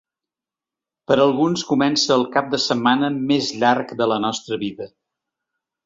Per alguns comença el cap de setmana més llarg de la nostra vida.